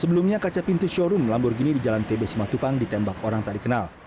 sebelumnya kaca pintu showroom lamborghini di jalan tb simatupang ditembak orang tak dikenal